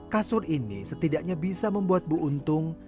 kasur ini setidaknya bisa membuat bu untung